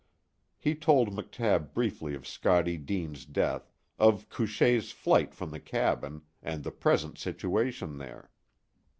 He told McTabb briefly of Scottie Deane's death, of Couchée's flight from the cabin, and the present situation there.